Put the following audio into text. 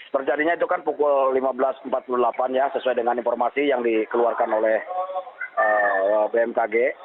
terjadinya itu kan pukul lima belas empat puluh delapan ya sesuai dengan informasi yang dikeluarkan oleh bmkg